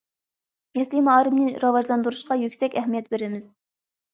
يەسلى مائارىپىنى راۋاجلاندۇرۇشقا يۈكسەك ئەھمىيەت بېرىمىز.